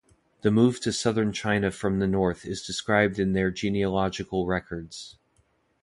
The move to southern China from the north is described in their genealogical records.